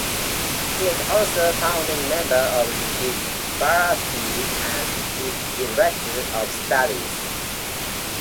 He is also a founding member of the DuVersity and its Director of Studies.